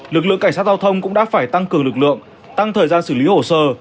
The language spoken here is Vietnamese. lực lượng cảnh sát giao thông cũng đã phải tăng cường lực lượng tăng thời gian xử lý hồ sơ